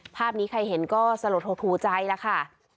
ภาพนี้ใครเห็นก็สลดโทษทูใจละค่ะ